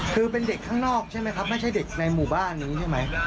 คือเป็นเด็กข้างนอกใช่ไหมครับไม่ใช่เด็กในหมู่บ้านนี้ใช่ไหม